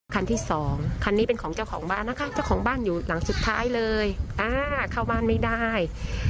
ข้างซ้ายเลยอ่าเข้าบ้านไม่ได้